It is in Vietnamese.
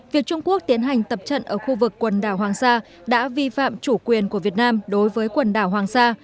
việc trung quốc tiến hành tập trận ở khu vực quần đảo hoàng sa đã vi phạm chủ quyền của việt nam đối với quần đảo hoàng sa